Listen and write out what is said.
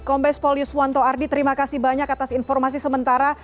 kombes pol yuswanto ardi terima kasih banyak atas informasi sementara